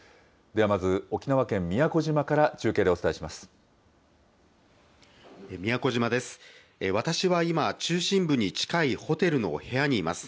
ではまず、沖縄県宮古島から中継でお伝えします。